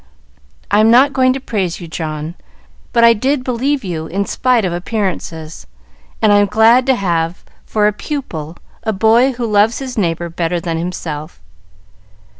I am not going to praise you, John, but I did believe you in spite of appearances, and I am glad to have for a pupil a boy who loves his neighbor better than himself."